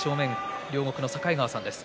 両国の境川さんです。